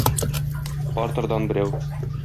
Партердан берәү.